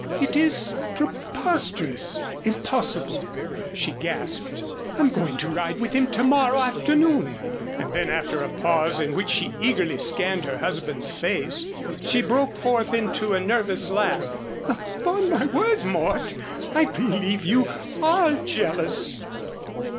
"It is preposterous impossible," she gasped. "I'm going to ride with him to morrow afternoon." And then after a pause in which she eagerly scanned her husband's face, she broke forth into a nervous laugh: "Upon my word, Mort, I believe you are jealous."